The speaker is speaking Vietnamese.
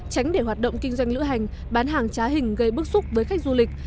tránh để hoạt động kinh doanh lữ hành bán hàng trá hình gây bức xúc với khách du lịch